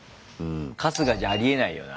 春日じゃありえないよな。